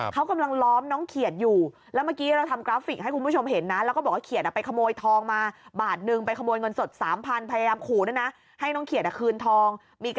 เค้ากำลังล้อมน้องเขียดอยู่แล้วเมื่อกี้เราทำกราฟสิกท์ให้คุณผู้ชมเห็น